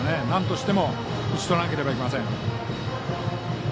なんとしても打ち取らなければなりません。